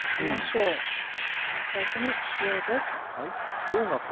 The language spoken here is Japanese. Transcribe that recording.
まず最初に塩です。